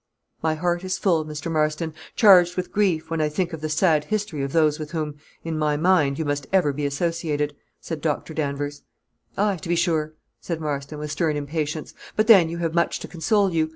"My heart is full, Mr. Marston; charged with grief, when I think of the sad history of those with whom, in my mind, you must ever be associated," said Doctor Danvers. "Aye, to be sure," said Marston, with stern impatience; "but, then, you have much to console you.